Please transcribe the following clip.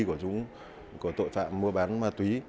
của tội phạm mua bán ma túy